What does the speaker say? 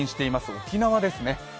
沖縄ですね。